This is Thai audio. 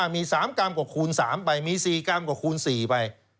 มี๔กรัมกว่าคูณ๔ไป